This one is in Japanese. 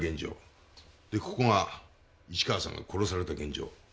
でここが市川さんが殺された現場。